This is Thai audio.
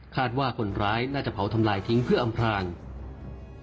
ว่าคนร้ายน่าจะเผาทำลายทิ้งเพื่ออำพลาง